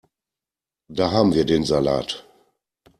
Da haben wir den Salat.